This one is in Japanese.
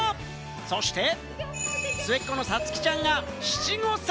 そして末っ子のさつきちゃんが七五三。